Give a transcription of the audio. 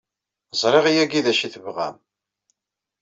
Ẓriɣ yagi d acu ay tebɣam!